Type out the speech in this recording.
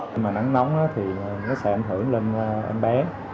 khi mà nắng nóng thì nó sẽ ảnh hưởng lên em bé